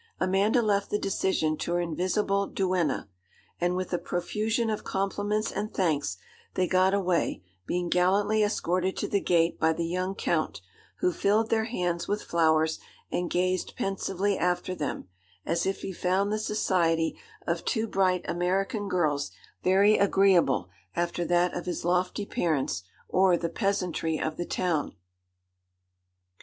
Amanda left the decision to her invisible duenna, and with a profusion of compliments and thanks, they got away, being gallantly escorted to the gate by the young count, who filled their hands with flowers, and gazed pensively after them, as if he found the society of two bright American girls very agreeable after that of his lofty parents, or the peasantry of the town.